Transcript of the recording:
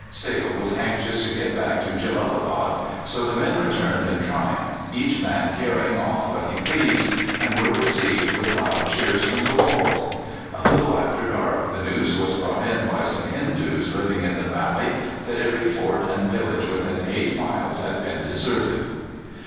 Sale was anxious to get back to Jellalabad, so the men returned in triumph, each man carrying off what he pleased, and were received with loud cheers from the walls. A little after dark the news was brought in by some Hindoos living in the valley that every fort and village within eight miles had been deserted.